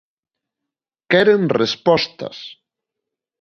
Queren respostas.